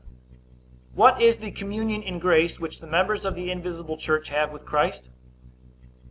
What is the communion in grace which the members of the invisible church have with Christ?